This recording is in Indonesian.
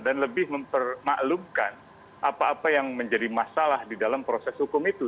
dan lebih mempermaklumkan apa apa yang menjadi masalah di dalam proses hukum itu